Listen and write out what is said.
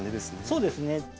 そうですね。